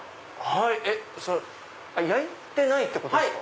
えっ焼いてないってことですか？